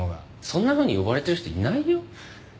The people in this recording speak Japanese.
そんなふうに呼ばれてる人いないよ。